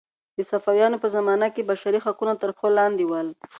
د صفویانو په زمانه کې بشري حقونه تر پښو لاندې ول.